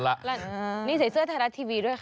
แล้วนี่ใส่เสื้อแทนนัททีวีด้วยใคร